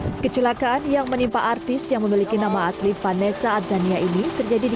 hai kecelakaan yang menimpa artis yang memiliki nama asli vanessa adzania ini terjadi di